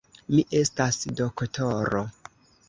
Mi estas doktoro.